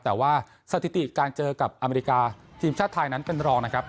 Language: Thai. แต่ว่าสถิติการเจอกับอเมริกาทีมชาติไทยนั้นเป็นรองนะครับ